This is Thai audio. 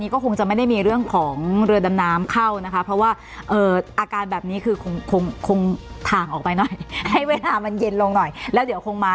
คือคงทางออกไปหน่อยให้เวลามันเย็นลงหน่อยแล้วเดี๋ยวคงมา